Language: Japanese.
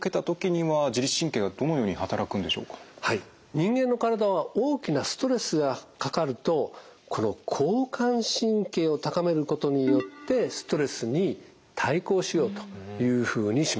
人間の体は大きなストレスがかかるとこの交感神経を高めることによってストレスに対抗しようというふうにします。